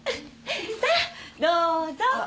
さあどうぞ。